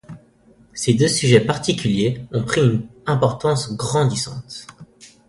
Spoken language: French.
Ces deux sujets particuliers ont pris une importance grandissante.